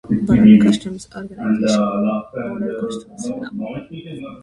"World Customs Organization Model Customs Law" by World Customs Organization.